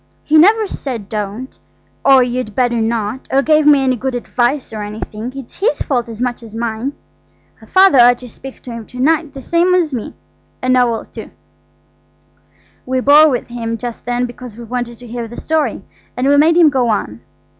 He never said don't, or you'd better not, or gave me any good advice or anything. It's his fault as much as mine. Father ought to speak to him to night the same as me–and Noël, too." We bore with him just then because we wanted to hear the story. And we made him go on.